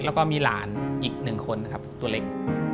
แล้วก็มีหลานอีกหนึ่งคนนะครับตัวเล็ก